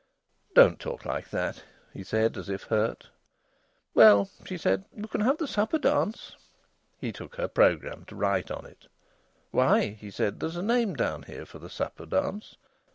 "Don't talk like that," he said, as if hurt. "Well," she said, "you can have the supper dance." He took her programme to write on it. "Why," he said, "there's a name down here for the supper dance.